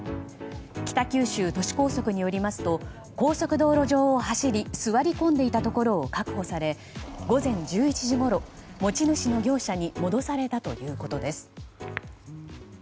北九州都市高速によりますと高速道路上を走り座り込んでいたところを確保され午前１１時ごろ、持ち主の業者に戻されたということです。